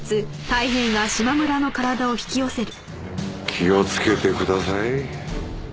気をつけてください。